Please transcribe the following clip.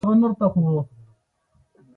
ستا کور چېري دی ؟